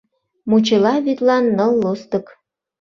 Мучела вӱдлан ныл лостык.